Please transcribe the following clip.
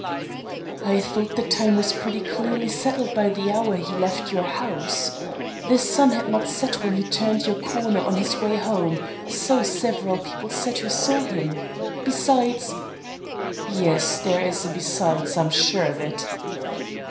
"I thought the time was pretty clearly settled by the hour he left your house. The sun had not set when he turned your corner on his way home. So several people said who saw him. Besides " "Yes; there is a BESIDES. I'm sure of it."